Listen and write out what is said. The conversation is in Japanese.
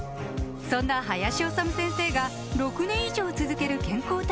そんな林修先生が６年以上続ける健康対策